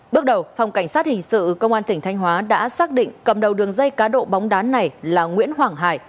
bước đầu phòng cảnh sát hình sự công an tỉnh thanh hóa đã xác định cầm đầu đường dây cá độ bóng đá này là nguyễn hoàng hải